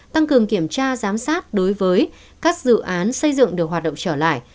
tăng cường kiểm tra giám sát đối với các dự án xây dựng được hoạt động trở lại